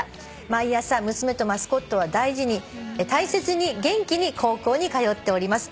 「毎朝娘とマスコットは大事に大切に元気に高校に通っております」